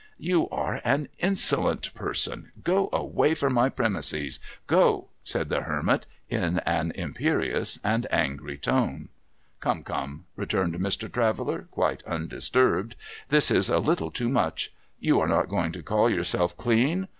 '' You are an insolent person. Go away from my premises. Go !' said the Hermit, in an imperious and angry tone. ' Come, come !' returned Mr. Traveller, quite undisturbed. ' This is a little too much. You are not going to call yourself clean